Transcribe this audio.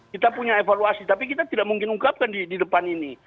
kita punya evaluasi tapi kita tidak mungkin ungkapkan di depan ini